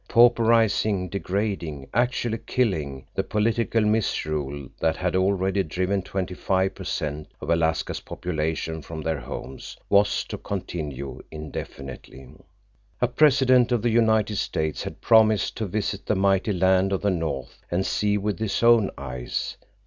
Pauperizing, degrading, actually killing, the political misrule that had already driven 25 per cent of Alaska's population from their homes was to continue indefinitely. A President of the United States had promised to visit the mighty land of the north and see with his own eyes.